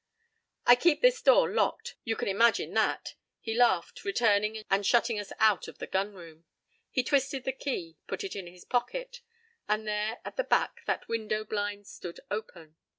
p> "I keep this door locked; you can imagine that," he laughed, returning and shutting us out of the gun room. He twisted the key; put it in his pocket. And there, at the back, that window blind stood open.